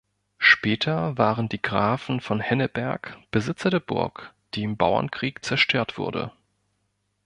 Später waren die Grafen von Henneberg Besitzer der Burg, die im Bauernkrieg zerstört wurde.